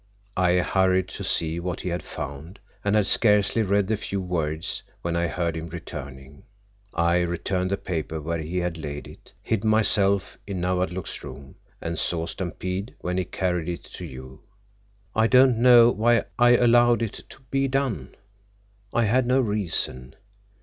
I hurried to see what he had found and had scarcely read the few words when I heard him returning. I returned the paper where he had laid it, hid myself in Nawadlook's room, and saw Stampede when he carried it to you. I don't know why I allowed it to be done. I had no reason.